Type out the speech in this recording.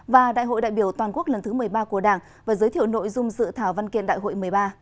và đại hội đại biểu toàn quốc lần thứ một mươi ba của đảng và giới thiệu nội dung dự thảo văn kiện đại hội một mươi ba